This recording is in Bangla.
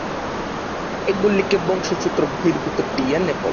এগুলিকে বংশসূত্র-বহির্ভূত ডিএনএ বলে।